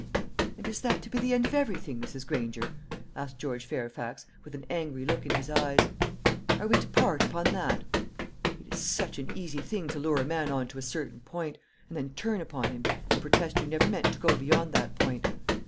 "And is that to be the end of everything, Mrs. Granger?" asked George Fairfax, with an angry look in his eyes. "Are we to part upon that? It is such an easy thing to lure a man on to a certain point, and then turn upon him and protest you never meant to go beyond that point.